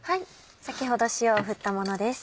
先ほど塩を振ったものです。